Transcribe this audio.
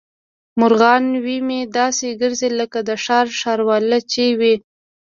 مرغاوۍ مې داسې ګرځي لکه د ښار ښارواله چې وي.